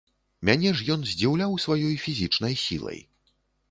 Мяне ж ён здзіўляў сваёй фізічнай сілай.